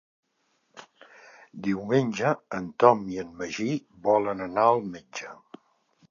Diumenge en Tom i en Magí volen anar al metge.